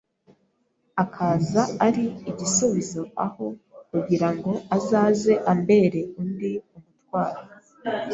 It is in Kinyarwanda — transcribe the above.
akaza ari igisubizo aho kugira ngo azaze ambere undi umutwaro.